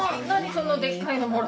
そのでっかいのもらって。